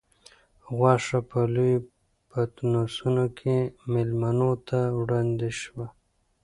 غوښه په لویو پتنوسونو کې مېلمنو ته وړاندې شوه.